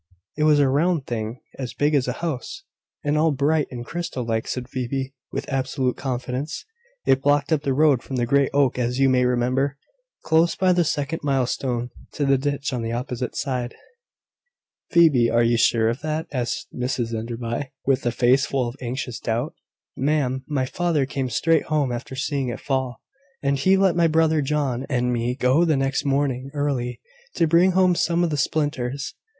"It was a round thing, as big as a house, and all bright and crystal like," said Phoebe, with absolute confidence. "It blocked up the road from the great oak that you may remember, close by the second milestone, to the ditch on the opposite side." "Phoebe, are you sure of that?" asked Mrs Enderby, with a face full of anxious doubt. "Ma'am, my father came straight home after seeing it fall, and he let my brother John and me go the next morning early, to bring home some of the splinters."